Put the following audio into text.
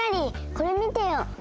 これ見てよ。